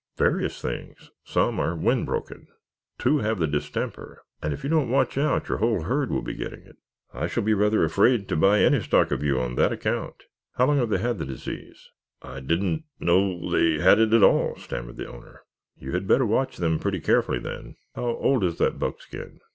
"Various things. Some are wind broken, two have the distemper, and if you don't watch out your whole herd will be getting it. I shall be rather afraid to buy any stock of you on that account. How long have they had the disease?" "I didn't know they had it at all," stammered the owner. "You had better watch them pretty carefully, then. How old is that buckskin?"